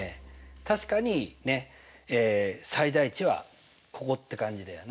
確かに最大値はここって感じだよな。